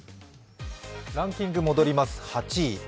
ランキング戻ります。